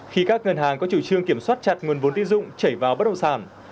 khi các ngân hàng có chủ trương kiểm soát chặt nguồn vốn tiết dụng chảy vào bất hậu sản